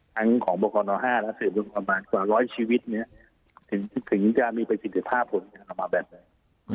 ทั้งของบกรณหาและสืบประมาณกว่าร้อยชีวิตเนี่ยถึงจะมีประสิทธิภาพผลของเรามาแบบนั้น